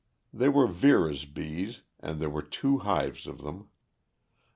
They were Vera's bees and there were two hives of them.